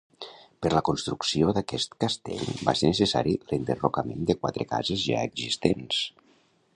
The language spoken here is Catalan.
Per la construcció d'aquest castell va ser necessari l'enderrocament de quatre cases ja existents.